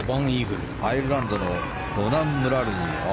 アイルランドのロナン・ムラルニー。